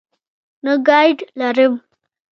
نه ګائیډ لرم.